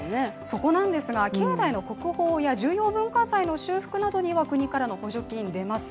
そこなんですが、境内の国宝や重要文化財の修復などには国からの補助金、出ます。